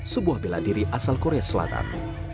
sebuah bela diri asal korea selatan